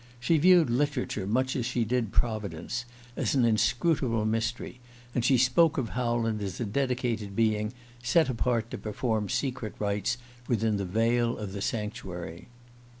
She viewed literature much as she did Providence, as an inscrutably mystery; and she spoke of Howland as a dedicated being, set apart to perform secret rites within the veil of the sanctuary.